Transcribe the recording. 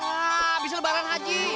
abis lebaran haji